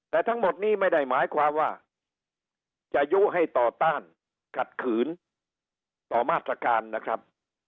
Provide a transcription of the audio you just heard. แต่ทั้งหมดนี้ไม่ได้หมายความว่าจะยุให้ต่อต้านขัดขืนต่อมาตรการนะครับ